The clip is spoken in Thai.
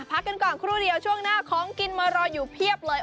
พักกันก่อนครู่เดียวช่วงหน้าของกินมารออยู่เพียบเลย